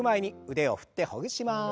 腕を振ってほぐします。